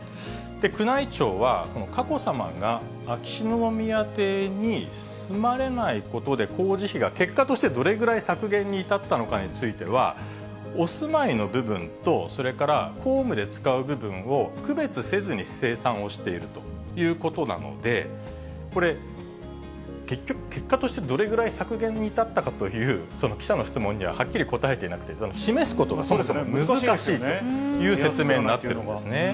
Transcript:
宮内庁は、この佳子さまが秋篠宮邸に住まれないことで、工事費が結果として、どれぐらい削減に至ったのかについては、お住まいの部分と、それから公務で使う部分を区別せずに精算をしているということなので、これ、結局、結果としてどれぐらい削減に至ったかという記者の質問にははっきり答えていなくて、示すことがそもそも難しいという説明になってるんですね。